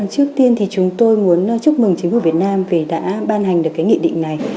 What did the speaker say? trước tiên thì chúng tôi muốn chúc mừng chính phủ việt nam vì đã ban hành được cái nghị định này